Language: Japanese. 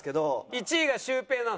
１位がシュウペイなの？